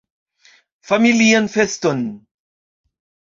Familian feston!